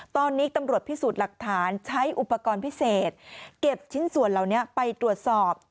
ตอนนี้ตำรวจพิสูจน์หลักฐานใช้อุปกรณ์พิเศษเก็บชิ้นส่วนเหล่านี้ไปตรวจสอบ